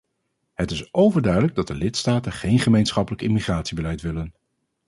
Het is overduidelijk dat de lidstaten geen gemeenschappelijk immigratiebeleid willen.